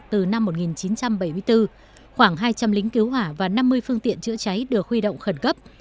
từ năm một nghìn chín trăm bảy mươi bốn khoảng hai trăm linh lính cứu hỏa và năm mươi phương tiện chữa cháy được huy động khẩn cấp